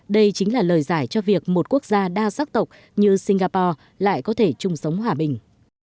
đây chính là lời giải cho việc một quốc gia đa sắc tộc như singapore lại có thể chung sống hòa bình